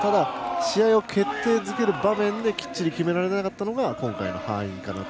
試合を決定づける場面できっちり決められなかったのが今回の敗因かなと。